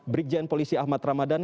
brigjen polisi ahmad ramadan